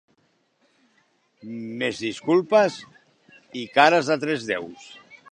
Més disculpes i cares de tres déus.